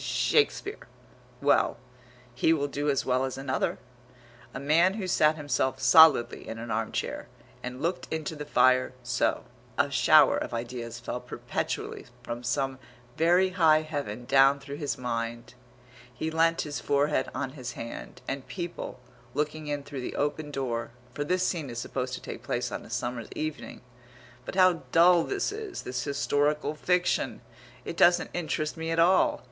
Shakespeare.... Well, he will do as well as another. A man who sat himself solidly in an arm chair, and looked into the fire, so A shower of ideas fell perpetually from some very high Heaven down through his mind. He leant his forehead on his hand, and people, looking in through the open door, for this scene is supposed to take place on a summer's evening But how dull this is, this historical fiction! It doesn't interest me at all.